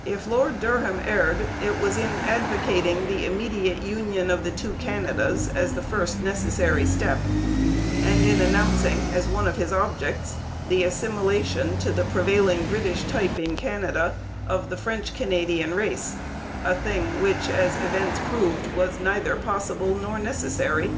If Lord Durham erred, it was in advocating the immediate union of the two Canadas as the first necessary step, and in announcing as one of his objects the assimilation to the prevailing British type in Canada of the French Canadian race, a thing which, as events proved, was neither possible nor necessary.